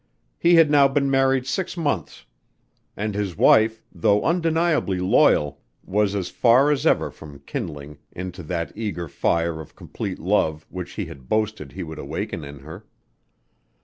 He had now been married six months and his wife, though undeniably loyal, was as far as ever from kindling into that eager fire of complete love which he had boasted he would awaken in her.